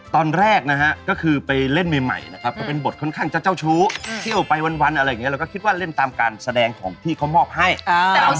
ต้องถามว่าพี่โยมกับพี่เจฟใช่ไหมนะคะมีความคล้ายคลึงกันบ้างไหม